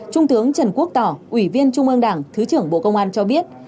trung tướng trần quốc tỏ ủy viên trung ương đảng thứ trưởng bộ công an cho biết